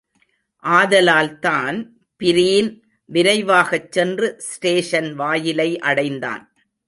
ஆதலால் தான்பிரீன் விரைவாகச் சென்று ஸ்டேஷன் வாயிலை அடைந்தான்.